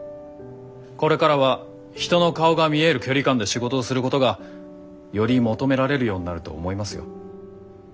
これからは人の顔が見える距離感で仕事をすることがより求められるようになると思いますよ。